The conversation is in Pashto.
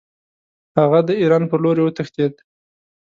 هغه د ایران په لوري وتښتېد.